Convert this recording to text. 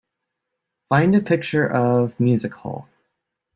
Find a picture of Music Hole